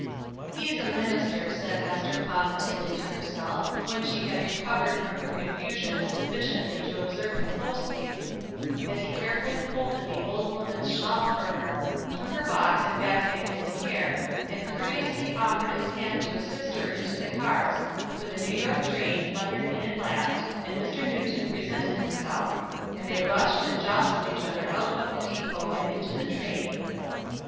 "He's a minister," said Ester, positively, to herself, when she had recovered from her confusion sufficiently to observe him closely, as he carefully folded the old woman's shawl for her, took her box and basket in his care, and courteously offered his hand to assist her into the cars for the New York train thundered in at last, and Mr. Newton presented himself; and they rushed and jostled each other out of the depot and into the train.